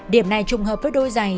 điểm này trùng hợp với đôi giày